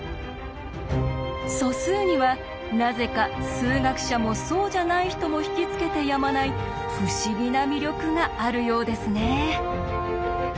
素数にはなぜか数学者もそうじゃない人も引き付けてやまない不思議な魅力があるようですね。